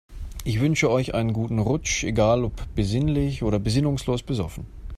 Ich wünsche euch einen guten Rutsch, egal ob besinnlich oder besinnungslos besoffen.